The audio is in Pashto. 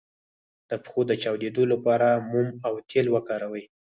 د پښو د چاودیدو لپاره موم او تېل وکاروئ